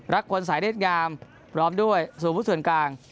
รักคนสายเล่นงามพร้อมด้วยสูงพุทธส่วนกลาง